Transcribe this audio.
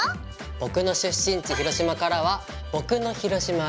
僕の出身地広島からは僕の広島ＬＯＶＥ